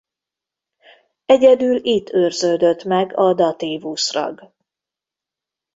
Egyedül itt őrződött meg a datívusz-rag.